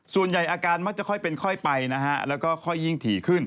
ส่วนใหญ่อาการมักจะค่อยเป็นค่อยไปนะฮะแล้วก็ค่อยยิ่งถี่ขึ้น